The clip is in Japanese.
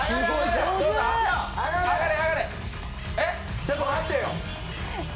ちょっと待ってよ。